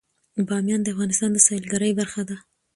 بامیان د افغانستان د سیلګرۍ برخه ده.